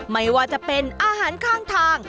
ไม่ว่าจะเป็นอาหารข้างทาง